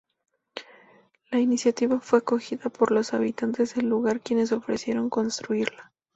La iniciativa fue acogida por los habitantes del lugar quienes ofrecieron construirla.